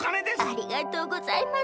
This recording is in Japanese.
ありがとうございます。